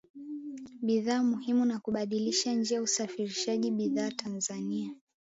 bidhaa muhimu na kubadilisha njia usafarishaji bidhaa Tanzania